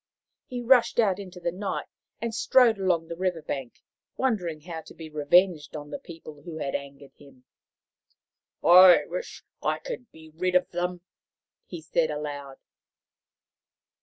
He rushed out into the night and strode along the river bank, wondering how to be revenged on the people who had angered him. " I wish I could be rid of them," he said aloud.